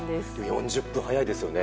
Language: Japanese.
４０分早いですよね。